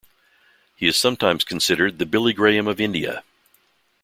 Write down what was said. He is sometimes considered the "Billy Graham of India".